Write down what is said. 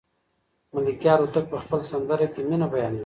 ملکیار هوتک په خپله سندره کې مینه بیانوي.